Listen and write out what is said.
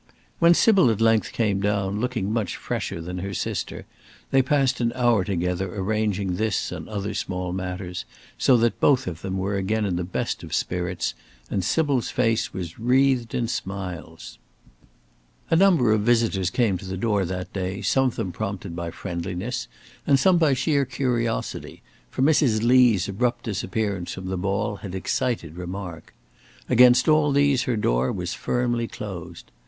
When Sybil at length came down, looking much fresher than her sister, they passed an hour together arranging this and other small matters, so that both of them were again in the best of spirits, and Sybil's face was wreathed in smiles. A number of visitors came to the door that day, some of them prompted by friendliness and some by sheer curiosity, for Mrs. Lee's abrupt disappearance from the ball had excited remark. Against all these her door was firmly closed.